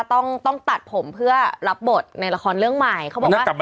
ติ๊อ้อมต้องตัดผมเพื่อรับบทในละครเรื่องใหม่